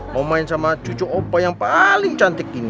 mau main sama cucu omba yang paling cantik ini